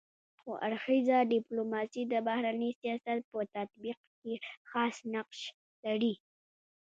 څو اړخیزه ډيپلوماسي د بهرني سیاست په تطبیق کي خاص نقش لري.